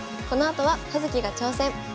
このあとは「葉月が挑戦！」。